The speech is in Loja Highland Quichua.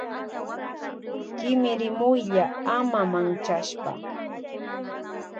Kimirimuylla ama manchashpa.